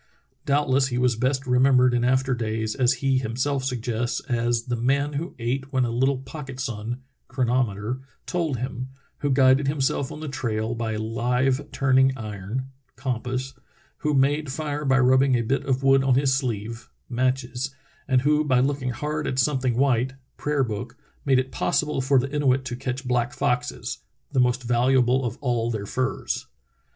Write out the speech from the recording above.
Doubtless he was best remembered in after days, as he himself suggests, "As the man who ate when a little pocket sun [chronometer] told him; who guided himself on the trail by a hve turning iron [compass]; who made fire by rubbing a bit of wood on his sleeve [matches]; and who by looking hard at something white [prayer book] made it possible for the Inuit to catch black foxes — the most valuable of all their furs.'